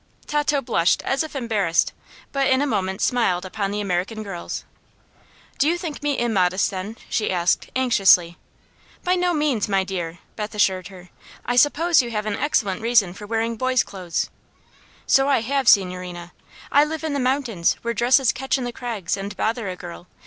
Tato blushed as if embarrassed, but in a moment smiled upon the American girls. "Do you think me immodest, then?" she asked, anxiously. "By no means, my dear," Beth assured her. "I suppose you have an excellent reason for wearing boys' clothes." "So I have, signorina. I live in the mountains, where dresses catch in the crags, and bother a girl.